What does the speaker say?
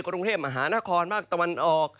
กรุงเทพฯอาหารคลภาคต์ตวันออก